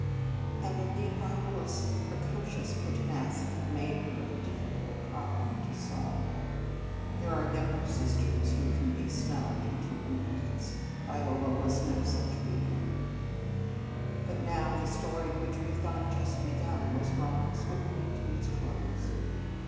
And, indeed, Viola s precocious pertinacity made her a difficult prob lem to solve. There are younger sisters who can be snubbed into im potence. Viola was no such weakling. But now the story which we thought just begun was drawing swiftly to its close.